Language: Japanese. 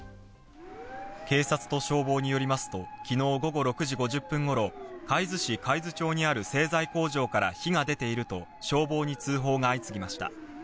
警察と消防によりますと昨日午後６時５０分頃、海津市海津町にある製材工場から火が出ていると、消防に通報が相次ぎました。